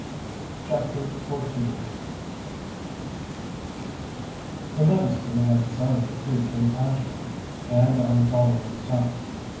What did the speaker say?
CHAPTER XIV The minister had decided to preach in Ashland, and on the following Sabbath.